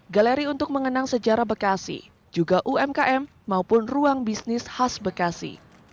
galeri untuk mengenang sejarah bekasi juga umkm maupun ruang bisnis khas bekasi